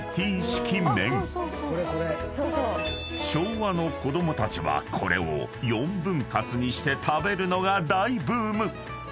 ［昭和の子供たちはこれを４分割にして食べるのが大ブーム］